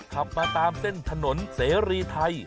ขับมาตามเส้นถนนเสรีไทย